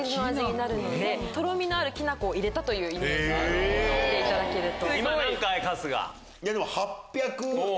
とろみのあるきな粉を入れたとイメージをしていただけると。